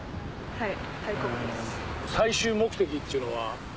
はい。